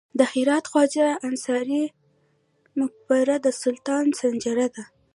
د هرات خواجه انصاري مقبره د سلطان سنجر ده